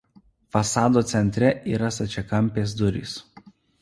Fasado centre yra stačiakampės durys.